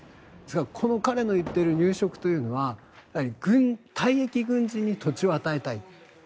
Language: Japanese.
この彼の言っている入植というのは退役軍人に土地を与えたい。